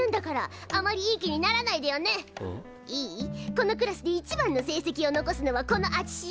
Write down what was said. このクラスでいちばんの成績を残すのはこのあちしよ。